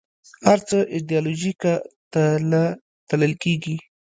هر څه ایدیالوژیکه تله تلل کېدل